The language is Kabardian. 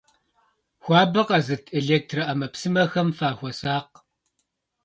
Хуабэ къэзыт электроӏэмэпсымэхэм фахуэсакъ.